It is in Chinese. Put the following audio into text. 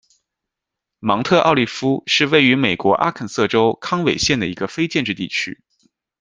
芒特奥利夫是位于美国阿肯色州康韦县的一个非建制地区。